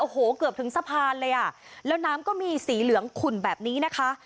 โอ้โหเกือบถึงสะพานเลยอ่ะแล้วน้ำก็มีสีเหลืองขุ่นแบบนี้นะคะ